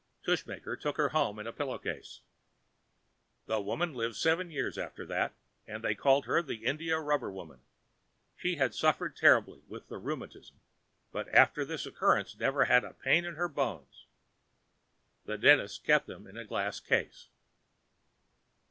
Tushmaker took her home in a pillow case. The woman lived seven years after that, and they called her the "India Rubber Woman." She had suffered terribly with the rh[Pg 70]eumatism, but after this occurrence never had a pain in her bones. The dentist kept them in a glass case.